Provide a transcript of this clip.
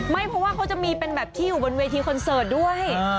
ไม่เพราะว่าเขาจะมีเป็นแบบที่อยู่บนเวทีคอนเสิร์ตด้วย